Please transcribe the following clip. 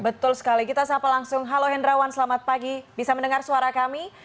betul sekali kita sapa langsung halo hendrawan selamat pagi bisa mendengar suara kami